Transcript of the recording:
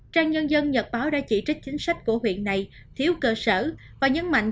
trang nhân dân nhật báo đã chỉ trích chính sách của huyện này thiếu cơ sở và nhấn mạnh